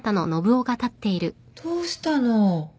どうしたの？